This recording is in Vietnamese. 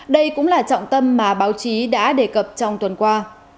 đây cũng là trọng tâm mà báo chí đã đề cập trong tuần qua